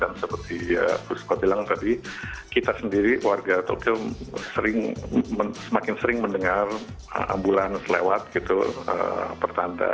dan seperti pak eko bilang tadi kita sendiri warga tokyo semakin sering mendengar bulan selewat bertanda